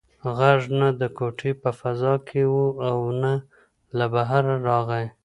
غږ نه د کوټې په فضا کې و او نه له بهره راغی.